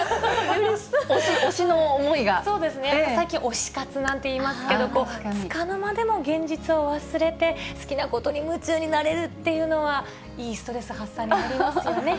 そうですね、最近、推し活なんていいますけど、束の間でも現実を忘れて、好きなことに夢中になれるっていうのは、いいストレス発散になりますよね。